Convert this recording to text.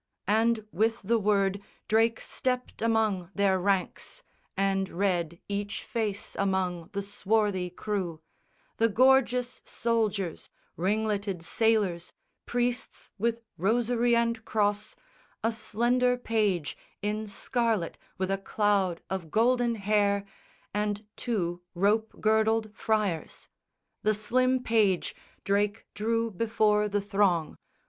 And with the word Drake stepped among their ranks And read each face among the swarthy crew The gorgeous soldiers, ringleted sailors, priests With rosary and cross, a slender page In scarlet with a cloud of golden hair, And two rope girdled friars. The slim page Drake drew before the throng.